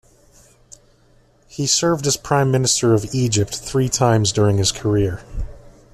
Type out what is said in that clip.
He served as Prime Minister of Egypt three times during his career.